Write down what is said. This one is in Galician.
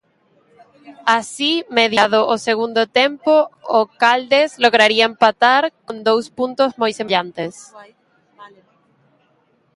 Así, mediado o segundo tempo, o Caldes lograría empatar con dous puntos moi semellantes.